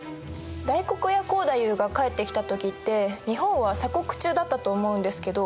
大黒屋光太夫が帰ってきた時って日本は鎖国中だったと思うんですけどそのあとどうなったんですか？